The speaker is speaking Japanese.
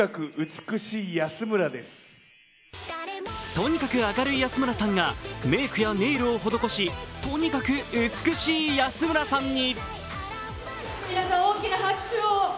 とにかく明るい安村さんがメークやネイルを施し、とにかく美しい安村さんに。